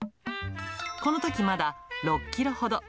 このとき、まだ６キロほど。